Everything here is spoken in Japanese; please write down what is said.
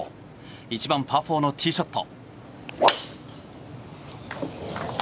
１番、パー４のティーショット。